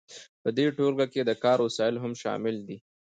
په دې ټولګه کې د کار وسایل هم شامل دي.